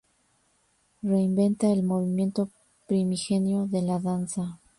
Reinventa el movimiento primigenio de la danza.